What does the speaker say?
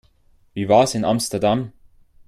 Wie war's in Amsterdam?